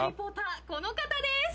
この方です。